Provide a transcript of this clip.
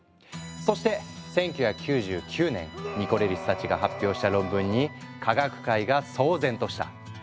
そして１９９９年ニコレリスたちが発表した論文に科学界が騒然とした。